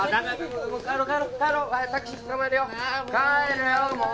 帰るよもう！